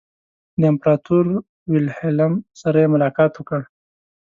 د امپراطور ویلهلم سره یې ملاقات وکړ.